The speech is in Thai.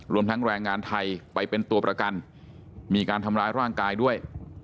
รวมทั้งแรงงานไทยไปเป็นตัวประกันมีการทำร้ายร่างกายด้วย